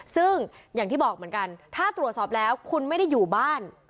ซึ่งอย่างที่บอกเหมือนกันถ้าตรวจสอบแล้วคุณไม่ได้อยู่บ้าน